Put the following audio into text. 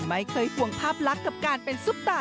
ไม่เคยห่วงภาพลักษณ์กับการเป็นซุปตา